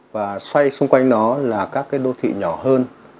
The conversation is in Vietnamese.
và xoay xung quanh nó là các cái đô thị nhỏ hơn